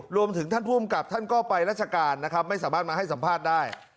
รวมถึงท่านภูมิกับท่านก็ไปราชการนะครับไม่สามารถมาให้สัมภาษณ์ได้